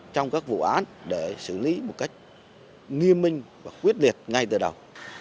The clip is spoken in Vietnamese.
trong các vụ án để xử lý một cách nghiêm minh và quyết liệt ngay từ đầu